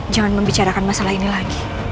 jangan membicarakan masalah ini lagi